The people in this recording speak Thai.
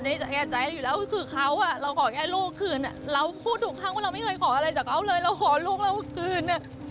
เดี๋ยวเขาก็ตั้งคืนเขาก็ยังไม่คืน